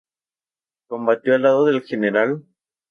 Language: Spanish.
Combatió al lado del Gral.